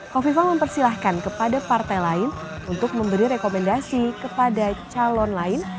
kofifa mempersilahkan kepada partai lain untuk memberi rekomendasi kepada calon lain